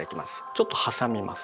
ちょっと挟みます。